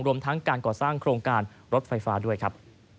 รวมทั้งการก่อสร้างโครงการรถไฟฟ้าด้วยครับ